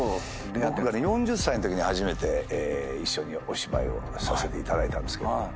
僕がね４０歳のときに初めて一緒にお芝居をさせていただいたんですけども。